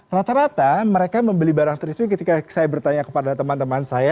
rata rata mereka membeli barang trisuh ketika saya bertanya kepada teman teman saya